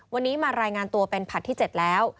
วันนี้มารายงานตัวเป็นผลัดที่๗แล้ว